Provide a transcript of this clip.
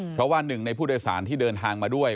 เพราะว่าหนึ่งในผู้โดยสารที่เดินทางมาด้วย